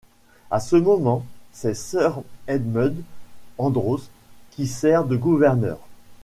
À ce moment, c'est Sir Edmund Andros qui sert de Gouverneur.